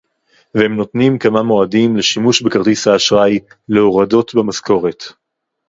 והם נותנים כמה מועדים לשימוש בכרטיס האשראי להורדות במשכורת